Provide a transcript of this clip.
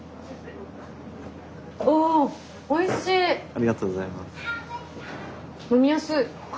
ありがとうございます。